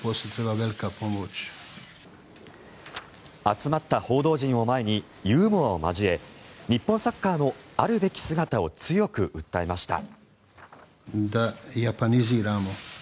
集まった報道陣を前にユーモアを交え日本サッカーのあるべき姿を強く訴えました。